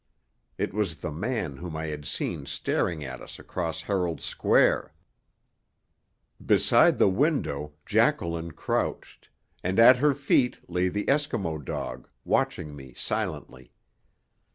It was the man whom I had seen staring at us across Herald Square. Beside the window Jacqueline crouched, and at her feet lay the Eskimo dog, watching me silently.